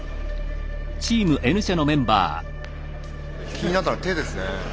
気になったのは手ですね。